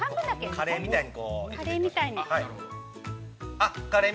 ◆カレーみたいに。